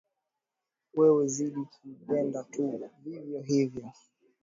Wewe zidi kumpenda tu vivyo hivyo